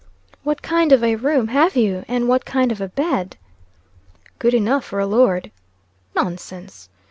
"What kind of a room have you? and what kind of a bed?" "Good enough for a lord." "Nonsense!"